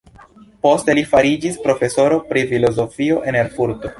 Poste li fariĝis profesoro pri filozofio en Erfurto.